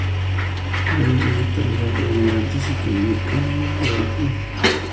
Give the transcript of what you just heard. Williamsburg es vista como lugar de inmigrantes y una comunidad de la cultura "hipster".